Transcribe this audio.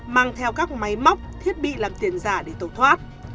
mang theo các máy móc thiết bị làm tiền giả để tẩu thoát